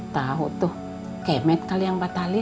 tahu tuh kemet kali yang batalin